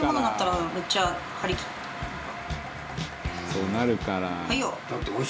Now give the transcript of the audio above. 「そうなるから」